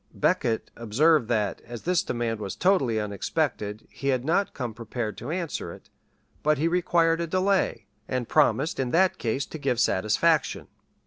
[*] Becket observed that, as this demand was totally unexpected, he had not come prepared to answer it; but he required a delay, and promised in that case to give satisfaction.